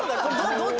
どっち？